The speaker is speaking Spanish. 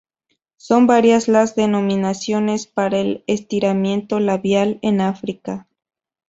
Son varias las denominaciones para el estiramiento labial en África.